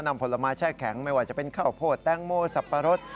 ผลไม้แช่แข็งไม่ว่าจะเป็นข้าวโพดแตงโมสับปะรด